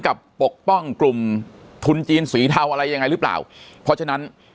ปกป้องกลุ่มทุนจีนสีเทาอะไรยังไงหรือเปล่าเพราะฉะนั้น